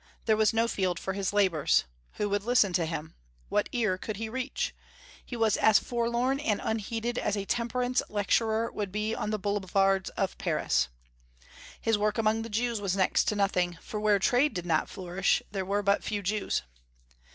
There was no field for his labors. Who would listen to him? What ear could he reach? He was as forlorn and unheeded as a temperance lecturer would be on the boulevards of Paris. His work among the Jews was next to nothing, for where trade did not flourish there were but few Jews.